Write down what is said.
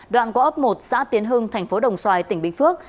đoạn qua ấp một xã tiến hưng thành phố đồng xoài tỉnh bình phước